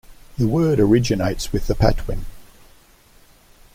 The word originates with the Patwin.